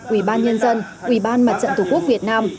ủy ban nhân dân ủy ban mặt trận tổ quốc việt nam